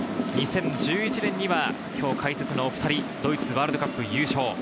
２０１１年には今日解説のお２人、ドイツワールドカップ優勝。